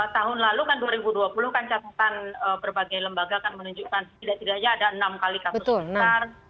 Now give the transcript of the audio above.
tahun lalu kan dua ribu dua puluh kan catatan berbagai lembaga kan menunjukkan setidak tidaknya ada enam kali kasus besar